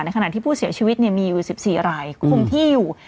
ขณะที่ผู้เสียชีวิตมีอยู่๑๔รายคุมที่อยู่